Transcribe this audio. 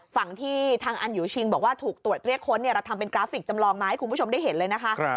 ฝั่งที่ทางอันยูชิงบอกว่าถูกตรวจเรียกค้นเราทำเป็นกราฟิกจำลองมาให้คุณผู้ชมได้เห็นเลยนะคะ